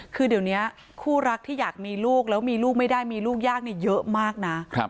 คือเดี๋ยวนี้คู่รักที่อยากมีลูกแล้วมีลูกไม่ได้มีลูกยากเยอะมากนะ